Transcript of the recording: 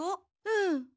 うん。